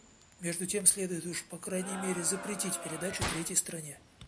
Между тем следует уж по крайней мере запретить передачу третьей стране.